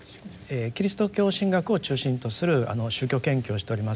キリスト教神学を中心とする宗教研究をしております